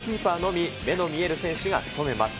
ゴールキーパーのみ目の見える選手が務めます。